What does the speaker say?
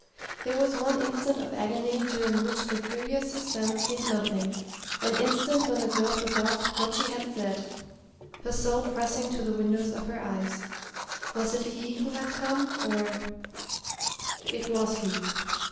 There was one instant of agony during which the previous suspense seemed nothing an instant when the girl forgot what she had said, her soul pressing to the windows of her eyes. Was it he who had come, or It was he.